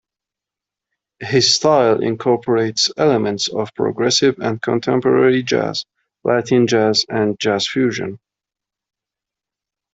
His style incorporates elements of progressive and contemporary jazz, Latin jazz, and jazz fusion.